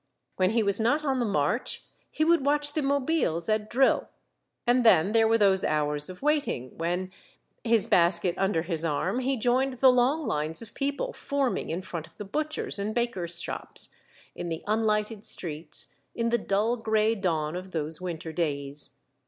When he was not on the march, he would watch the mobiles at drill ; and then there were those hours of waiting, when, his basket under his arm, he joined the long lines of people forming in front of butchers* and bakers* shops, in the unlighted streets, in the dull gray dawn of those winter days.